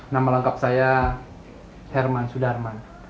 nama lengkap saya herman sudarman